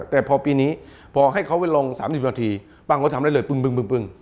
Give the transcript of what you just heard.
แต่พอปีนี้พอให้เขาไปลง๓๐นาทีบ้างเขาทำได้เลยปึ้ง